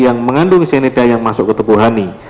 yang mengandung sianida yang masuk ke tubuh hani